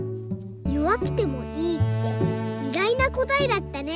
「よわくてもいい」っていがいなこたえだったね。